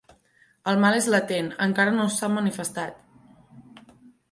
El mal és latent: encara no s'ha manifestat.